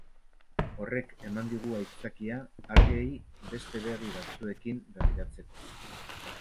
Horrek eman digu aitzakia algei beste begi batzuekin begiratzeko.